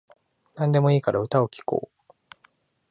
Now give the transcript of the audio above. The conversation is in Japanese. なんでもいいから歌を聴こう